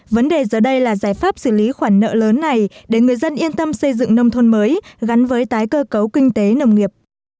vấn đề giờ đây là giải pháp xử lý khoản nợ lớn này để người dân yên tâm xây dựng nông thôn mới gắn với tái cơ cấu kinh tế nông nghiệp